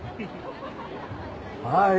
はい。